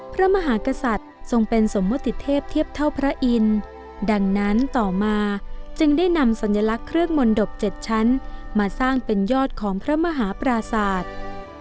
พระมหากษัตริย์ทรงเป็นสมมุติเทพเทียบเท่าพระอินทร์ดังนั้นต่อมาจึงได้นำสัญลักษณ์เครื่องมนตบ๗ชั้นมาสร้างเป็นยอดของพระมหาปราศาสตร์